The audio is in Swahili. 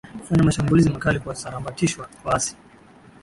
kufanya mashambulizi makali kuwasambaratisha waasi